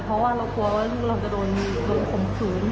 เพราะว่าเรากลัวว่าลูกเราจะโดนข่มขืน